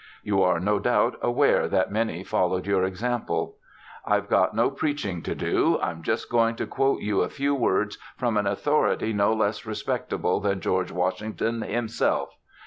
You are, no doubt, aware that many followed your example. I've got no preaching to do. I'm just going to quote you a few words from an authority no less respectable than George Washington himself.